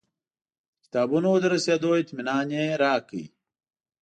د کتابونو د رسېدو اطمنان یې راکړ.